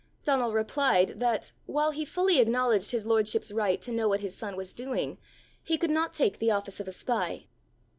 Donal replied that, while he fully acknowledged his lordship's right to know what his son was doing, he could not take the office of a spy.